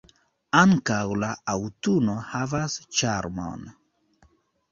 Ankaŭ la aŭtuno havas ĉarmon.